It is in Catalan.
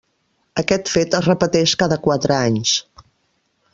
Aquest fet es repeteix cada quatre anys.